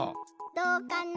どうかな？